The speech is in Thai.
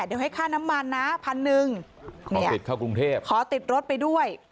เดี๋ยวให้ค่าน้ำมันนะพันหนึ่งขอติดรถไปด้วย